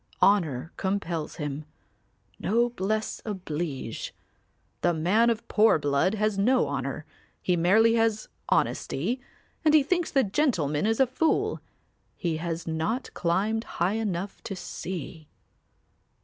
Honour compels him, 'noblesse oblige.' The man of poor blood has no honour; he merely has honesty and he thinks the gentleman is a fool. He has not climbed high enough to see.